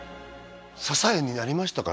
支えになりましたか？